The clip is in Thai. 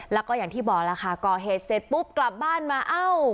แล้วก็อย่างที่บอกล่ะค่ะก่อเหตุเสร็จปุ๊บกลับบ้านมาเอ้า